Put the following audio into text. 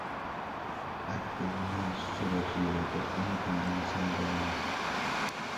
Al culminar su bachillerato en economía, se mudó a Lima.